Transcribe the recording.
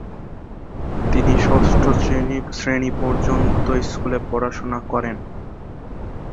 তিনি ষষ্ঠ শ্রেণি পর্যন্ত স্কুলে পড়াশোনা করেন।